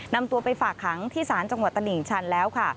นำตัวไปฝากขังที่ศาลจังหวัดตลิ่งชันแล้วค่ะ